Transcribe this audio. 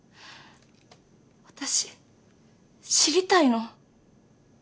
私知りたいの。